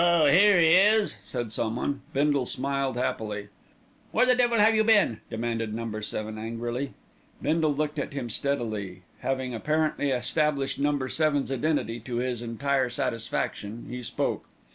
"Oh, here he is!" said someone. Bindle smiled happily. "Where the devil have you been?" demanded Number Seven angrily. Bindle looked at him steadily. Having apparently established Number Seven's identity to his entire satisfaction, he spoke.